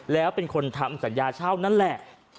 แล้วเป็นคนทำสัญญาเช่านั่นแหละ